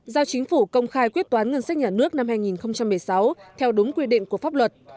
giao chính phủ công khai quyết toán ngân sách nhà nước năm hai nghìn một mươi sáu theo đúng quy định của pháp luật